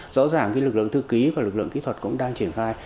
rõ ràng lực lượng thư ký và lực lượng kỹ thuật cũng đang triển khai